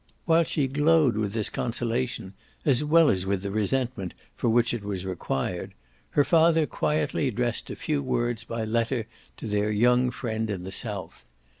While she glowed with this consolation as well as with the resentment for which it was required her father quietly addressed a few words by letter to their young friend in the south.